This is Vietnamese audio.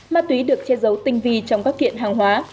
ma túy được che giấu tinh vi trong các kiện hàng hóa